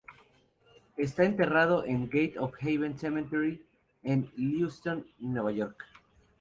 Está enterrado en Gate of Heaven Cemetery, en Lewiston, Nueva York.